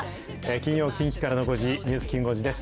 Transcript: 金曜、近畿からの５時、ニュースきん５時です。